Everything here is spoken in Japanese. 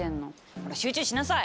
ほら集中しなさい！